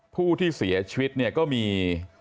ผู้ที่เสียชีวิตเนี่ยก็มี